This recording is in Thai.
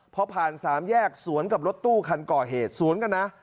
พอผ่านสามแยกสวนกับรถตู้คันก่อเหตุสวนกันนะ